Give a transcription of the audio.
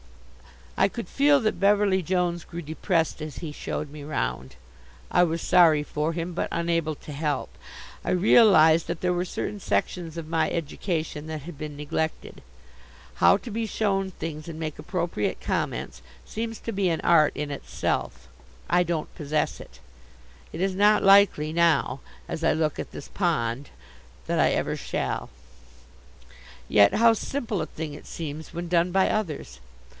I could feel that Beverly Jones grew depressed as he showed me round. I was sorry for him, but unable to help. I realized that there were certain sections of my education that had been neglected. How to be shown things and make appropriate comments seems to be an art in itself. I don't possess it. It is not likely now, as I look at this pond, that I ever shall. Yet how simple a thing it seems when done by others.